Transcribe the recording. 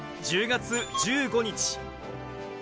１０月１５日。